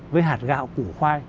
với hạt gạo củ khoai